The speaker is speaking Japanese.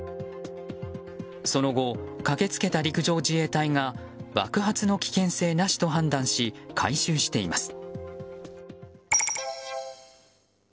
その後、駆け付けた陸上自衛隊が爆発の危険性なしと判断し回収しています。